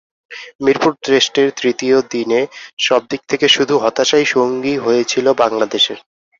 মিরপুর টেস্টের তৃতীয় দিনে সবদিক থেকে শুধু হতাশাই সঙ্গী হয়েছিল বাংলাদেশের।